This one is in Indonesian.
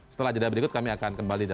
setelah jeda berikut kami akan kembali